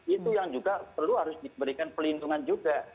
itu yang juga perlu harus diberikan pelindungan juga